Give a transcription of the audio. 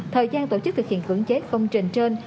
thời gian tổ chức thực hiện cưỡng chế công trình trên